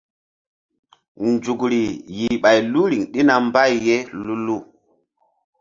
Nzukri yih ɓay lu riŋ ɗina mbay ye lu-lu.